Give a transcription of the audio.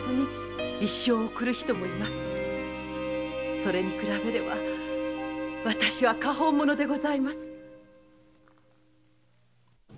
それに比べれば私は果報者でございます。